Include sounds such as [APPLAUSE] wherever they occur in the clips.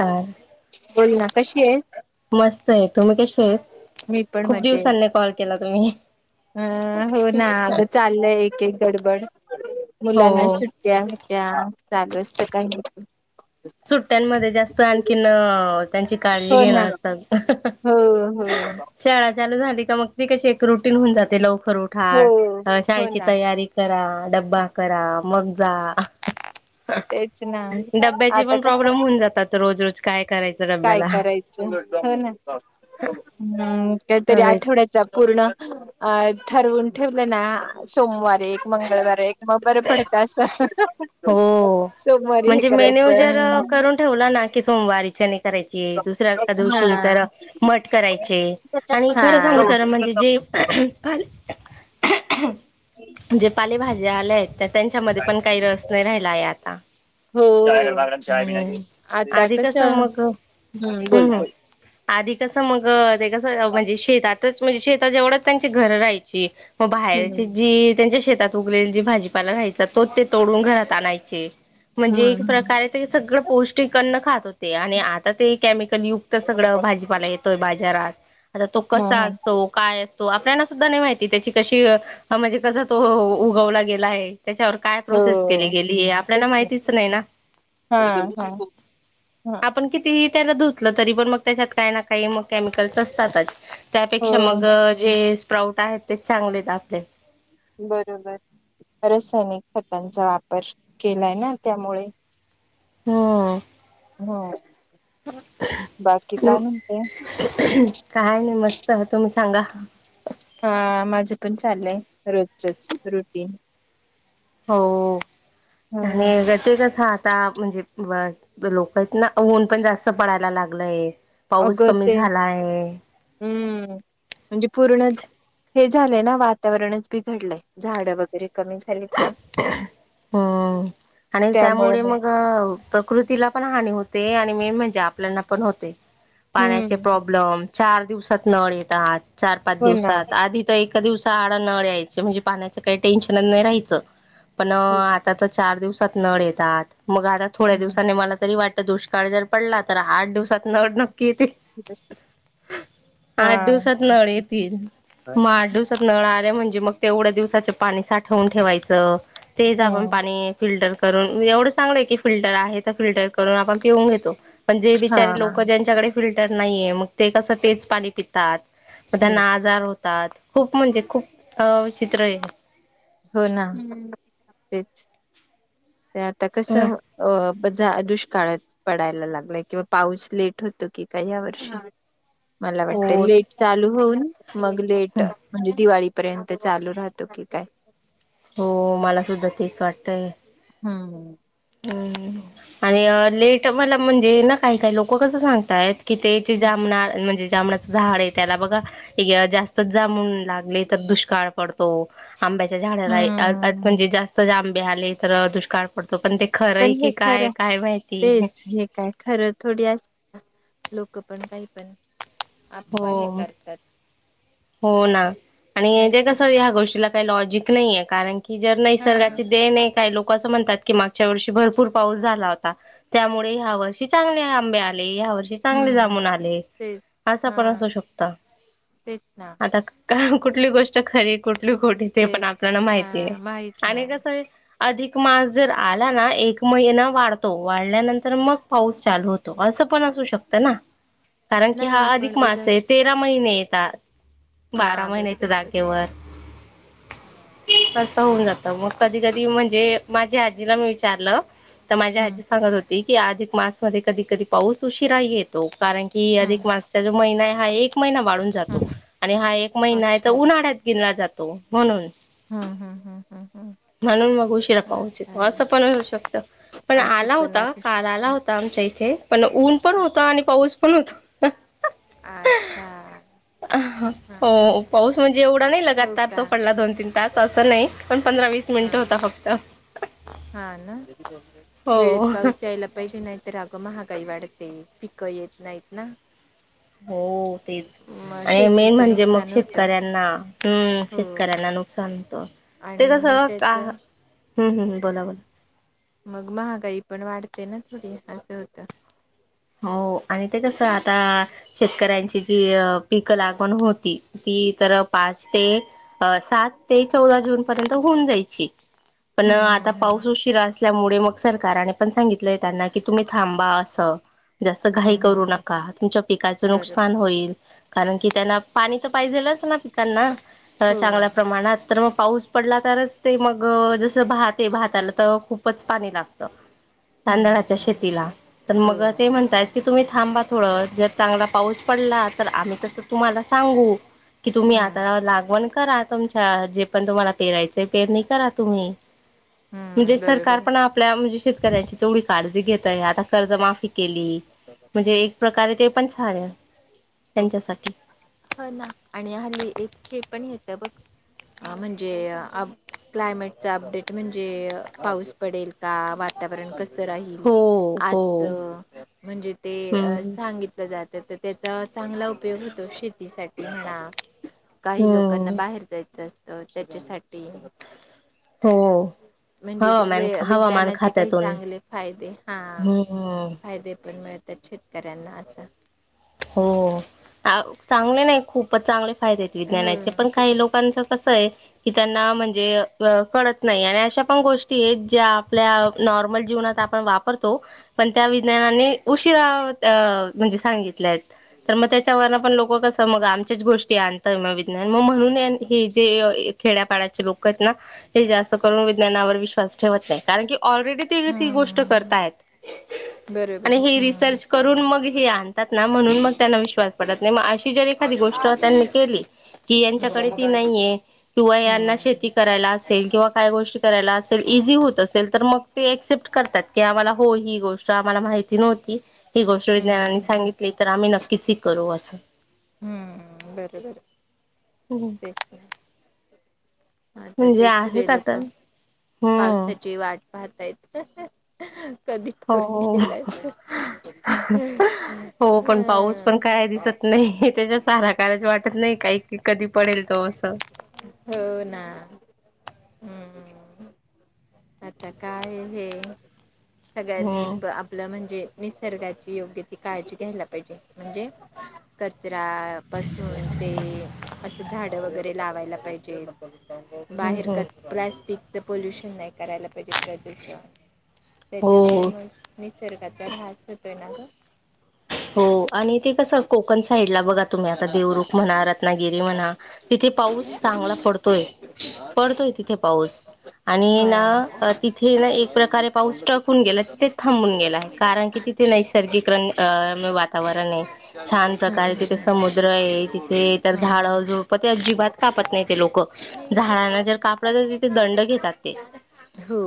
तर? बोल ना कशी आहेस? मस्त आहे तुम्ही कसे आहेत? मी पण खूप मजेत. दिवसांनी कॉल केला तुम्ही अ हो ना अगं चाललंय एक एक गडबड हो मुलांना सुट्ट्या बीट्या चालू असत काही सुट्ट्यांमध्ये जास्त आणखीन त्यांची काळजी घेणं असतं ह ह. शाळा चालू झाली मग ती कशी एक रुटीन होऊन जाते लवकर उठा हो हो शाळेची ना तयारी करा डब्बा करा मग जा तेच ना आता तेपण कसं प्रॉब्लेम होऊ जातात रोज रोज काय? करायचं काय डब्याला करायचं हो ना? हम्म काहीतरी आठवड्याचा पूर्ण अ ठरवून ठेवले ना सोमवार एक, मंगळवार एक, मग बरं पडत अस हो हे म्हणजे मेन्यू करायचं जर करून ठेवला ना, की सोमवारीच्या करायची दुसऱ्या हा दिवशी तर मठ करायचे आणि खरं सांगू तर म्हणजे जे हा आवाज नीट ऐकू येत नाही जे पालेभाज्या आल्या आहेत त्या त्यांच्यामध्ये पण काही रस् आवाज नीट ऐकू येत चाय बागडा चाय पिण्याची नाही [UNINTELLIGIBLE] हम्म आता आधी कसं मग बोल हम्म हम् बोल आधी कसं मग ते कसं म्हणजे शेतातच म्हणजे शेता जवळ त्यांची घरं राहायची. मग बाहेरची हम्म जी त्यांच्या शेतात उगलेली जी भाजीपाला राहायचा तोच ते तोडून घरात आणायचे म्हणजे एक हम्म हम्म. प्रकारे ते सगळं पौष्टिक अन्न खात होते आणि आता ते केमिकल युक्त सगळ भाजीपाला येतोय बाजारात आता तो हा कसा हा असतो काय असतो? तो आपल्याना सुद्धा नाही माहिती त्याची कशी म्हणजे कस तो उगवला गेला आहे? त्याच्यावर काय हो प्रोसेस केली गेली? आपल्याला माहितीच नाही ना हा हा हा आपण किती? त्याला धुतलं, तरी पण मग त्याच्यात काही ना काही म केमिकल्स असतातच. हो त्यापेक्षा मग जे स्प्राऊट आहेत, तेच चांगले आपले बरोबर रासायनिक खतांचा वापर केलाय ना त्यामुळे हम्म. हा. म्हणते काय नाही मस्त होत म सांगा. हा माझं पण चाललंय रोजच रुटीन. हो ह आणि ते कसं आता म्हणजे [INAUDIBLE] आहेत ना ऊन पण जास्त पडायला लागलंय. पाऊस अगं कमी ते झाला आहे. हम्म म्हणजे पूर्ण हे झालंय ना वातावरणच बिघडलंय झाडं वगैरे कमी झालीत ना हम् आणि त्यामुळे मग अ प्रकृतीला पण हानी होते आणि मेन म्हणजे आपल्याना पण होते. पाण्याचे हम्म प्रॉब्लेम, चार दिवसात नळ येतात चार-पाच हो ना हा. दिवसात आधी तर एक एका दिवसा आडा नळ यायचे म्हणजे पाण्याचं काही टेन्शनच नाही राहायचं पण अ हम्म आता चार दिवसात नळ येतात, मग आता थोड्या दिवसानी मला तरी वाटतं दुष्काळ जर पडला तर आठ दिवसात नळ नक्की येतील. आठ हा दिवसात नळ येतील, मग आठ दिवसात नळ आल्या म्हणज् जे मग तेवढ्या दिवसाचं पाणी साठवून ठेवायचं तेच आपण पाणी फिल्ट करून एवढं चांगलंय की फिल्टर आहे तर फिल्टर करून आपण पिऊन घेतो. पण जे बिचारे लोकं ज्यांच्याकडे फिल्टर नाहीये मग ते कसं तेच पाणी पितात. म त्यांना हम्म आजार होतात, खूप म्हणजे खूप अ विचित्र आहे. होय ना तेच ते आता कसं अ ज दुष्काळात पडायला लागलाय किंवा पाऊस लेट होतो कि काही ह्या वर्षी मला वाटतंय हो. लेट चालू होऊन, मग लेट म्हणजे दिवाळी पर्यंत चालू राहतो की काय? हो मला सुद्धा तेच वाटतंय हम हम् आणि अ लेट मला म्हणजे ना काही काही लोकं कसं सांगतायत कि इथे इथे जामणा म्हणजे जांभळाचं झाड आहे त्याला बघा, एक जास्त जांभळं लागले तर दुष्काळ पडतो. आंब्याच्या झाडाला ए अ हम्म म्हणजे जास्त आंबे आले तर दुष्काळ पडतो पण ते पण खरंय हे की काय खरं काय माहिती तेच हे काय खरं थोडी अस लोकं पण काही पण अफवा हे हो, करतात हो ना आणि नाही ते का कसं ह्या गोष्टीला काय लॉजिक नाहीे कारण की जर हा नैसर्गाची देण आहे काय लोकं असं म्हणतात की मागच्या वर्षी भरप भरपूर पाऊस झाला होता, त्यामुळे ह्या वर्षी चांगले आंबे आल ले या वर्षी चांगले हम्म जामून आले. तेच असं हा पण असू शकतं. तेच ना आता कुठली गोष्ट खरी कुठ ली खोटी ते पण तेच आपल्याला हा माहिती नाही माहित आणि नाही. कसं आहे अधिक मास जर आला ना एक महिना वाढतो वाढल्यानंतर मग पाऊस चालू होतो अस तसं पण असू शकतं ना कि हा नाही अधिक पण मास उलट आहे तेरा महिने येतात. हा बारा बरोबर महिन्याच्या बर जागेवर. तसं होऊन जात मग कधी कधी म्हणजे माझ्या आजीला मी विचारलं तर माझ्या हम्म आजी सांगत होती की अधिक मास मध्ये कधी कधी पाऊस उशिराही येतो कारण की अधिक हम्म मासचा जो महिना हाय हा एक महिना वाढून हम्म जातो आणि हा एक महिना अच्छा उन्हाळ्यात गीनला जातो म्हणून हम्म हम हम ह म्हणून मग उशिरा पाउस येतो, असं पण होऊ शकतं पण असं आला पण होता असू काल आला शकते. होता आमच्या इथे पण ऊन पण होता आणि पाऊस [INAUDIBLE] अच्छा हा हा हो, हा पाऊस म्हणजे एवढा नाही हो लगातार का तो पडला दोन तीन तास असं नाही पण पंधरा वीस हा मिनिटं होता फक्त हा ना, वेळेत हो पाऊस यायायला पाहिजे नाहीतर अग महा काही वाढते पिकं येत नाहीत ना हो तेच मग आणि मेन शेतीचं म्हणजे मग नुकसान होतं शेतकऱ्यांना हम् हो शेतकऱ्यांना नुकसान होत ते आणि मग कसं का त्याचं हम्म हम् बोला बोला मग महागाई पण वाढते ना थोडी असं होतं हो आणि ते कस आता शेतकऱ्यांची जी पीक लागवण होती ती तर पाच ते सात ते चौदा जून पर्यंत होऊन जायची पण हम्म आता हम्म हम्म. पाऊस उशीरा अस असल्यामुळे मग सरकारने पण सांगितलंय त्यांना की तुम्ही थांबा असं जास्त घाई हम्म हम्म करू नका तुमच्या पिकाचं हम्म बरोबर नुकसान होईल कारण की त्यांना पाणी तर पाहिजेलच ना पिकांना हो चांगल्या प्रमाणात तर मग पाऊस पडला तरच ते मग जसं भात आहे भाताला तर खूपच पाणी लागत हम्म तांदळाच्या हम्म शेतीला तर हो मग म्हणताय की तुम्ही थांबा थोडं जर चांगला पाऊस पडला तर आम्ही तस तुम्हाला सांगू कि तुम्ही हम्म. आता लागवण करा तुमच्या जे पण तुम्हाला पेरायच पेरणी करा तुम्ही म्हणजे हम्म सरकार बरोबर पण आपल्या म्हणजे शेतकऱ्यांची तेवढी काळजी घेतय आ कर्ज केली म्हणजे एक प्रकारे ते पण छान हो त्यांच्यासाठी ह ना आणि हली एक हे पण येत बघ ह म्हणजे अ क्लायमेटचा अपडेट म्हणजे पाऊस पडेल का वातावरण कस कस राहील हो हो. आजच म्हणजे ते हम्म सांगितलं जात त्याचा चांगला उपयोग होतो शेतीसाठी हणा काही लोकांना हम्म बाहेर जाय असत त्याच्यासाठी हो म्हणजे व हवामान हवामान विज्ञानाचे काही खात्यातून चांगले फायदे हा हम्म फायदे पण मिळत शेतकऱ्यांना असं हो चांगले नाही खूपच चांगले फायदे आहेत विज्ञानाचे हम्म पण काही लोकांच क त्यांना म्हणजे कत नाही अशा पण गोष्टी आहेत ज्या आपल्या नॉर्मल जीवनात आपण वापरतो पण त्या विज्ञानाने उशीिरा म्हणजे सांगितले तर मग त्याच्यावर पण लोक कस मग आमच्याच गोष्टी आणतय मग विज्ञान मग म्हणून हे जे खेड्यापाड्याचे लोक आहेत ना हे जास्त करून विज्ञा वि विश्वास ठेवत नाही कारण की ऑलरेडी ते ती गोष्ट हम्म करताय आणि बरोबर हे हम्म रिसर्च करून मग हे आणतात ना म्हण मग त्यांना विश्वास पडत नाही मग अशी जर एखादी गोष्ट त्यांनी केली की यांच्याकडे ती नाहीय किंवा यांना हम्म शेती करायला असेल किंवा काय गोष्टी कराय हो असेल इझी होत असेल मग ते एक्सेप्ट करतात हो ही गोष्ट आम्हाला माहिती नव्हती ही गोष्ट विज्ञानानी हम्म सांगितली तर आम्ही नक्कीच ह करू असं ह बर बर तेच आता म्हणजे तेच आहेत सगळे लोक आता हम्म पावसाची वाट पाहतायत कधी पाऊस हो गेलायच. हो पण पाऊस पण काय दिसत नाही. त्याच्या सारा ढगाळ वाटत. वाटत नाही. काही की कधी पडेल तो असं. हो ना हम्म. आता काय हे सगळ्यांनी हम्म आपलं म्हणजे. निसर्गाची योग्य ती काळजी घ्यायला पाहिजे म्हणजे कचरा पासून. ते असं झाड वगैरे लावायला पाहिजे. हम्म बाहेर हम्म काच प्लॅस्टिकच पोल्युशन नाही करायला पाहिजे. प्रदूषण हो त्याच्यामुळे मग निसर्गाचा रास होतोय ना ग. हो आणि ते कसं कोकण साईड ला बघा तुम्ही आता देवरवरूप म्हणा. रत्नागिरी म्हणा तिथे पाऊस चांगला पडतोय-पडतोय तिथे पाऊस. आणि हा ना तिथे ना एक. प्रकारे पाऊस ट्रकुन गेला. तिथे थांबून गेला आहे. कारण की तिथे नैसर्गिक रन आ.. वातावरण आहे. छान प्रकारे हम्म तिथे समुद्र आहे. तिथे तर हम्म झाड हम्म. झुडप तर अजीब. बात कापत नाही ते लोक. झाडांना जर कापल ना तिथे दंड घेतात ते. हो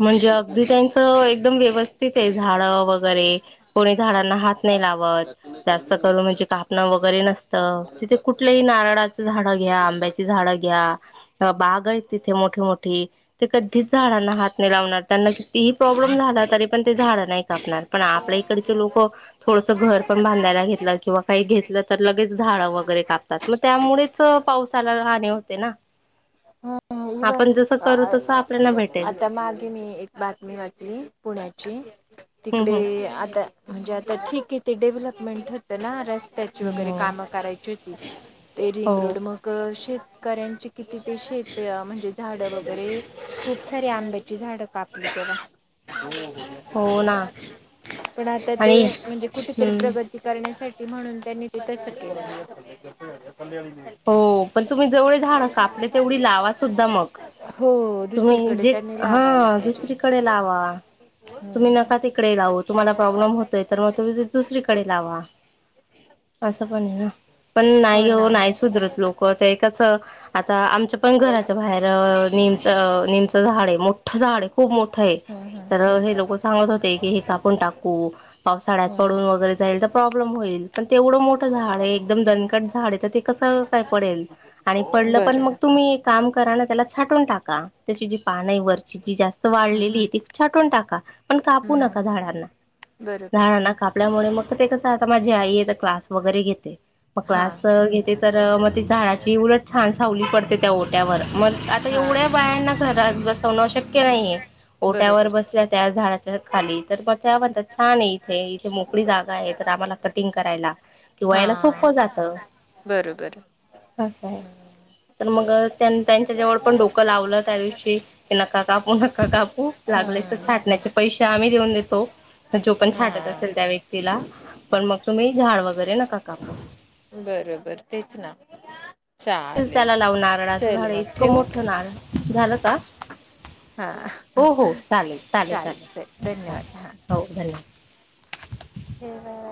म्हणजे अगदी त्यांच एकदम व्यवस्थित आहे. झाड वगैरे कोणी झाडांना हात नाही लावत पर तूने सैलरी जास्त को भी करून किया म्हणजे. कापण तो वगैरे नसतं मम्मा ने तिथे बता दिया कुठल्याही नारळाचं झाड घ्या. पहले बता आंबची दिया झाड ऐसे बारे में घ्या. बाग आहेत तिथे मोठी-मोठी ते कधी झाड त्यांना प्रॉब्लेम झाला तरी पण ते झाड नाही कापणार. पण आपल्या इकडचे लोक. थोडसं घर पण बांधायला घेतलं किंवा काही घेतलं तर लगेच झाडं वगैरे कापतात मग त्यामुळेच पावसाला राहणे होते ना. हो. टीवर आपण जसं करू तसं आपल्याला अ भेटेल आता मागे मी एक बातमी वाचली पुण्याची. हम्म तिकडे आता म्हणजे आता ठीक हाय. ते डेव्हलपमेंट होतंना रस त्याची हम्म वगैरे हो कामं करायची होती. ते हो रिंगरोड मग शे कऱ्यांचे किती ते शेत? म्हणजे झाडं वगैरे खूप सारी आंब्याची [UNINTELLIGIBLE] हो ना [UNINTELLIGIBLE] पण आता ते, आणि म्हणजे कुठतरी हम्म प्रगती करण्यासाठी. म्हणून त्यांनी त्येच्यासाठी हो, पण तुम्ही जेवळी झाड कापली तेवढी लावा सुद्धा मग. हो तुम्ही दुसरीकडे जे त्यांनी लावायला हा, पाहिजे दुसरीकडे लावा. तुम्ही हम्म. नका तिकडे लावू तुम्हाला प्रॉब्लेम होतोय तर मग तुम्ही दुसरीकडे लावा. असं पण आहे, पण नाही हो नाहीच सुदरत लोक ते कच आता आमच्या पण घराच्या बाहेर निमचं निमचं झाड आहे मोठं झाड आहे खूप मोठं आहे. हम्म हम्म तर हे लोक सांगत होते की हे कापण टाकू पावसाळ्यात हम्म हम्म पडून वगैरे जाईल तर प्रॉब्लेम होईल. पण तेवढं मोठं झाड आहे हम्म. एकदम दनकट झाड आहे तर ते कस काय पडेल, आणि पडलं पण मग बरं तुम्ही एक काम करा ना त्याला छाटून टाका. त्याची जी पान नाही वरची जी जास्त हम्म वाढलेली हम्म ती छटून टाका पण कापू नका हम्म झाडांना. बरोबर झाडांना कापल्यामुळे मग ते कस आता माझी आई आहे क्लास वगैरे घेत ते मग हा. क्लास घेत तर मग ती झाडाची उलट छान सावली पडते त्या ओट्यावर मग आता हा एवढ्या बायांना घरात बस ल्या वर शक्य नाही ओट्यावर बरोबर बसल्या त्या झाडाच्या खाली तर मग ते म्हणतात छान आहे इथे इथे मोकळी जागा आहे तर आम्हाला कटिंग करायला. किंवा हा याला सोपं जात. बरोबर. असं हम्म तर मग त्यां त्यांच्या जेवळ पण डोकं लावलं त्या दिवशी की नका कापू नका कापू हो लागलेस छाटण्याचे पैसे आम्ही देऊन देतो. जो पण हा छाटत असेल त्या व्यक्तीला पण मग तुम्ही झाड वगैरे नका कापू. बरोबर तेच ना. चालेल त्याला लावू नारळाचं चल झाड मग इतकं ठेवू. मोठं नारळ झालं का हा हो हो चालेल चालेल चल चालेल धन्यवाद चाले हो धन्यवाद. ठेवा.